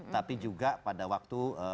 tapi juga pada waktu